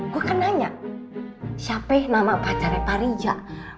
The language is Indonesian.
gua kan nanya siapa nama pacarnya pak rizal